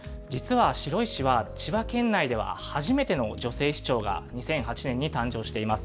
実は白井市は千葉県内では初めての女性市長が２００８年に誕生しています。